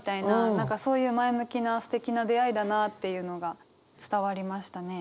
何かそういう前向きなすてきな出会いだなっていうのが伝わりましたね。